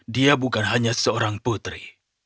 dia bukan hanya seorang putri